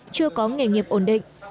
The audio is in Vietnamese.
chưa có nghề nghiệp ổn định